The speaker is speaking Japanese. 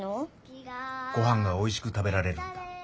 ごはんがおいしく食べられるんだ。